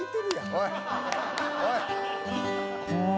おい。